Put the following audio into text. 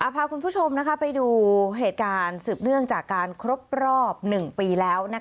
พาคุณผู้ชมไปดูเหตุการณ์สืบเนื่องจากการครบรอบ๑ปีแล้ว